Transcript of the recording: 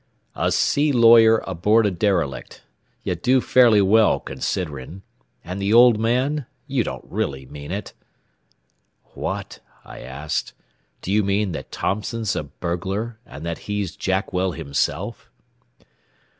"A sea lawyer aboard a derelict. Ye do fairly well, considerin'. An' th' old man? You don't really mean it?" "What?" I asked; "do you mean that Thompson's a burglar; and that he's Jackwell himself?"